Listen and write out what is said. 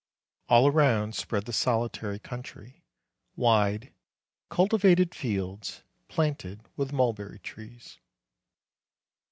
All around spread the solitary country, wide, cultivated fields, planted with mulberry trees.